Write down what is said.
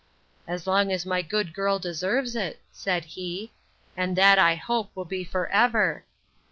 As long as my good girl deserves it, said he; and that, I hope, will be for ever.